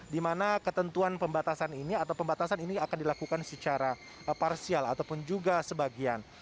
di mana ketentuan pembatasan ini atau pembatasan ini akan dilakukan secara parsial ataupun juga sebagian